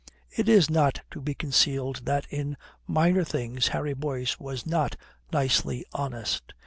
It is not to be concealed that in minor things Harry Boyce was not nicely honest.